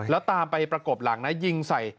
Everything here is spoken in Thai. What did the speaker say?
แล้วตามไปประกบหลังนะยิงใส่